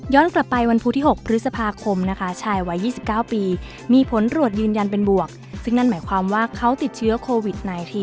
กลับไปวันพุธที่๖พฤษภาคมนะคะชายวัย๒๙ปีมีผลรวดยืนยันเป็นบวกซึ่งนั่นหมายความว่าเขาติดเชื้อโควิด๑๙